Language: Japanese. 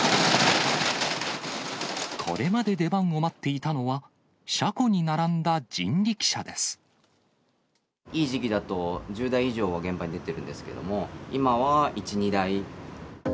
これまで出番を待っていたのは、いい時期だと、１０台以上は現場に出てるんですけども、今は１、２台。